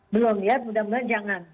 belum ya mudah mudahan jangan